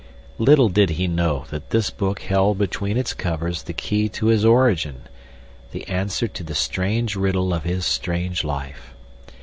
Little did he know that this book held between its covers the key to his origin—the answer to the strange riddle of his strange life.